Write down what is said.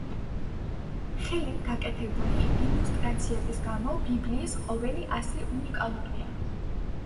ხელით გაკეთებული ილუსტრაციების გამო ბიბლიის ყოველი ასლი უნიკალურია.